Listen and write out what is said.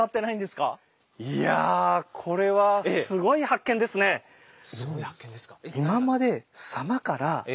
いやすごい発見ですか？